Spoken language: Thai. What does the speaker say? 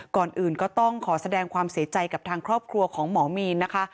ก่อนอื่นก็ต้องขอแสดงความเสียใจกับทางครอบครัวของหมอมีนนะคะ